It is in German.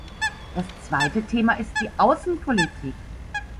Das zweite Thema ist die Außenpolitik.